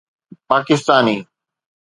Pakistani